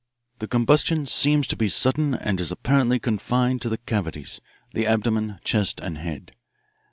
"'The combustion seems to be sudden and is apparently confined to the cavities, the abdomen, chest, and head.